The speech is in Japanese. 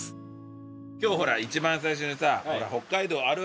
今日ほら一番最初にさ。